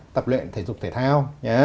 tập luyện thể dục thể thao